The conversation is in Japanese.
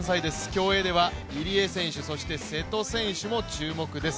競泳では入江選手、瀬戸選手も注目です。